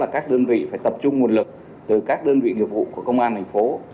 các đơn vị phải tập trung nguồn lực từ các đơn vị nghiệp vụ của công an thành phố